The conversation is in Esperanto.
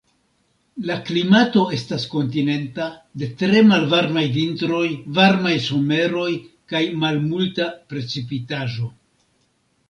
La klimato estas kontinenta de tre malvarmaj vintroj, varmaj someroj kaj malmulta precipitaĵo.